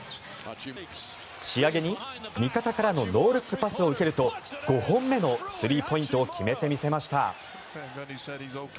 仕上げに味方からのノールックパスを受けると５本目のスリーポイントを決めてみせました。